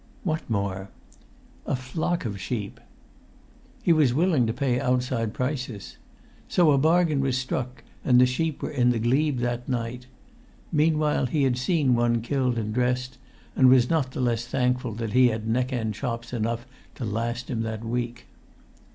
"What more?" "A flock of sheep." He was willing to pay outside prices. So a bargain was struck; and the sheep were in the glebe that night. Meanwhile he had seen one killed and dressed, and was not the less thankful that he had neck end chops enough to last him that week.